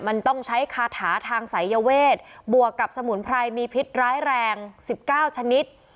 มันต้องใช้คาถาทางศัยเวทบวกกับสมุนไพรมีพิษร้ายแรง๑๙ชนิด